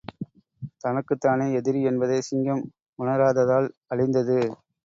தனக்குத்தானே எதிரி என்பதை சிங்கம் உணராததால் அழிந்தது.